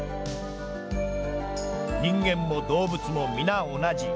人間も動物も皆同じ。